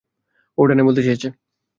ও ডানে বলতে চেয়েছে!